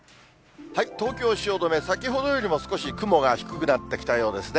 東京・汐留、先ほどよりも少し雲が低くなってきたようですね。